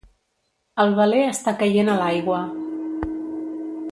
El veler està caient a l'aigua